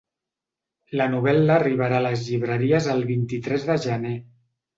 La novel·la arribarà a les llibreries el vint-i-tres de gener.